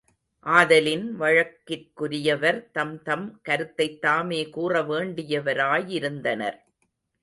ஆதலின், வழக்கிற்குரியவர் தம் தம் கருத்தைத் தாமே கூறவேண்டியவராயிருந்தனர்.